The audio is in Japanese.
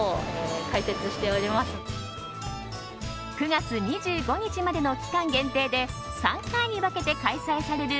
９月２５日までの期間限定で３回に分けて開催される